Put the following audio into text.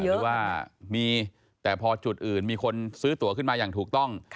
หรือว่ามีแต่พอจุดอื่นมีคนซื้อตัวขึ้นมาอย่างถูกต้อง